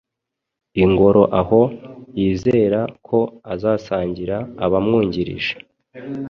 ingoroaho yizera ko azasangira abamwungirije